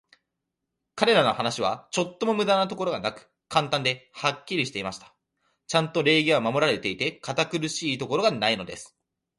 彼等の話は、ちょっとも無駄なところがなく、簡単で、はっきりしていました。ちゃんと礼儀は守られていて、堅苦しいところがないのです。